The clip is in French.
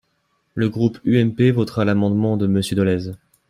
Le groupe UMP votera l’amendement de Monsieur Dolez.